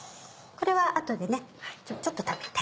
これは後でちょっと食べて。